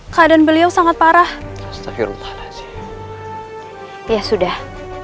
keadaan beliau sangat parah